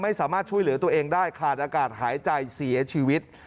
ไม่สามารถช่วยเหลือตัวเองได้ขาดอากาศหายใจเสียชีวิต